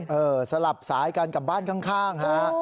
สลับสายกันกับบ้านข้างฮะ